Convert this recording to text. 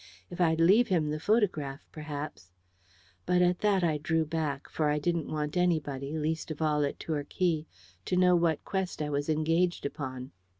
If I'd leave him the photograph, perhaps but at that I drew back, for I didn't want anybody, least of all at Torquay, to know what quest I was engaged upon.